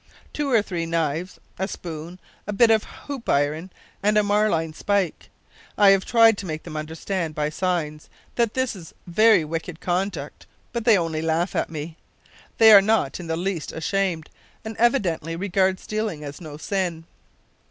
Two or three knives, a spoon, a bit of hoop iron, and a marline spike. I have tried to make them understand, by signs, that this is very wicked conduct, but they only laugh at me. They are not in the least ashamed, and evidently regard stealing as no sin.